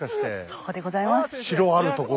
そうでございます。